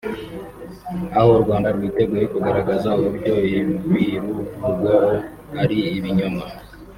aho u Rwanda rwiteguye kugaragaza uburyo ibiruvugwaho ari “ibinyoma”